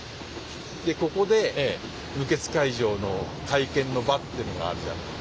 ここで無血開城の会見の場っていうのがあるじゃない。